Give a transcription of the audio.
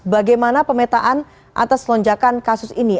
bagaimana pemetaan atas lonjakan kasus ini